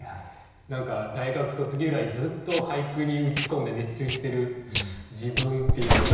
何か大学卒業以来ずっと俳句に打ち込んで熱中してる自分っていうのを何か重ねちゃうんですね。